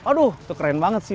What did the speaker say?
aduh tuh keren banget sih